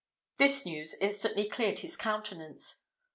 This news instantly cleared his countenance.